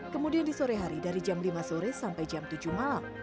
kemudian di sore hari dari jam lima sore sampai jam tujuh malam